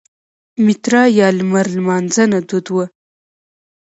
میترا یا لمر لمانځنه دود وه